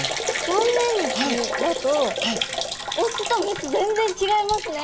断面図だとオスとメス全然違いますね。